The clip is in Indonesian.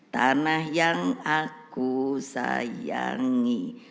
tanah yang aku sayangi